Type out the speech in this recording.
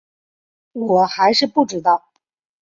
我还是不知道